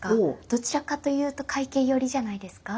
どちらかというと快慶寄りじゃないですか？